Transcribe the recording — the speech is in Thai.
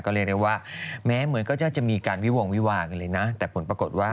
เรียกได้ว่าแม้เหมือนก็จะมีการวิวงวิวากันเลยนะแต่ผลปรากฏว่า